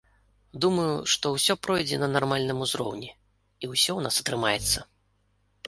Думаю, што ўсё пройдзе на нармальным узроўні, і ўсё ў нас атрымаецца!